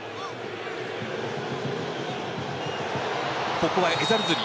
ここはエザルズリ。